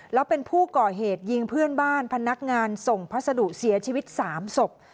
แล้วเป็นผู้ก่อเหตุยิงเพื่อนบ้านพนักงานส่งพัสดุเสียชีวิต๓ศพ